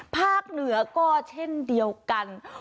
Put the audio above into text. ภาคเหนือก็เช่นเดียวกัน